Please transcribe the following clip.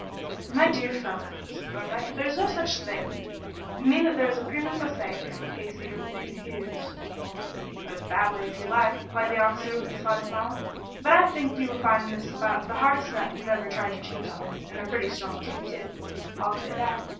"My dear fellow," said Thorndyke, "there is no such thing. You mean that there is a prima facie case against the accused." "Put it that way if you like," replied the officer, with a sly smile, "but I think you will find this about the hardest nut you ever tried your teeth on and they're pretty strong teeth too, I'll say that.